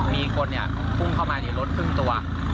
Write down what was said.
มีคนเนี่ยพุ่งเข้ามารถพึ่งตัว